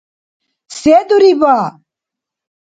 Се дуриба?